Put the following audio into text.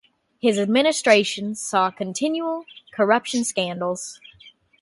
His administration saw continual corruption scandals.